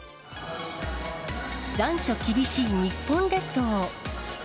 残暑厳しい日本列島。